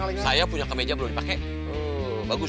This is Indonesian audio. oh saya punya kameja belum dipake bagus